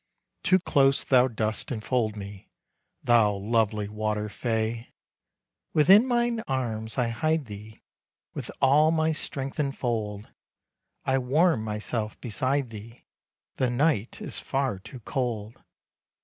Too close thou dost enfold me, Thou lovely water fay! "Within mine arms I hide thee, With all my strength enfold, I warm myself beside thee, The night is far too cold."